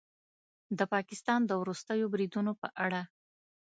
د پاکستان د وروستیو بریدونو په اړه